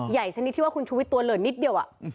ชนิดที่ว่าคุณชุวิตตัวเหลือนิดเดียว